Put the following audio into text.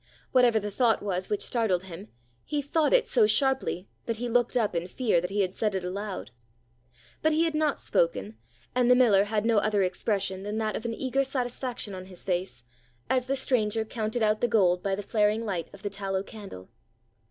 Whatever the thought was which startled him, he thought it so sharply that he looked up in fear that he had said it aloud. But he had not spoken, and the miller had no other expression than that of an eager satisfaction on his face as the stranger counted out the gold by the flaring light of the tallow candle.